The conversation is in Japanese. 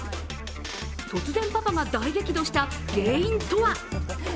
突然、パパが大激怒した原因とは？